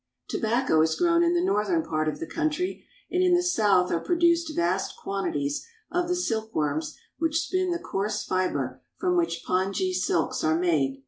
Tobacco is grown in the northern part of the country, and in the south are produced vast quantities of the silkworms which spin the coarse fiber from which pongee silks are made.